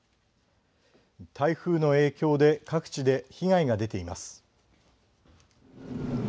台風の影響で各地で被害が出ています。